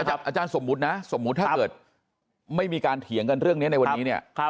อาจารย์สมมุตินะสมมุติถ้าเกิดไม่มีการเถียงกันเรื่องนี้ในวันนี้เนี่ย